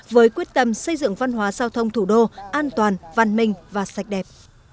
với quyết tâm xây dựng văn hóa giao thông thủ đô an toàn văn minh và sạch đẹp